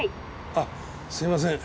あすいません。